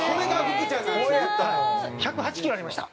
１０８キロありました。